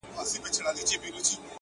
• لا یې نه وه وزرونه غوړولي ,